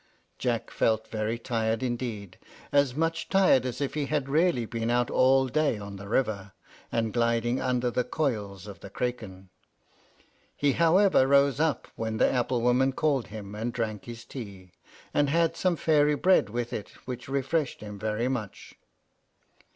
Jack felt very tired indeed, as much tired as if he had really been out all day on the river, and gliding under the coils of the Craken. He however rose up, when the apple woman called him, and drank his tea, and had some fairy bread with it, which refreshed him very much.